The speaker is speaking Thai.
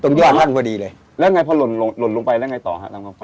ตรงยอดนั้นพอดีเลยแล้วไงพอหล่นหล่นลงไปแล้วไงต่อฮะ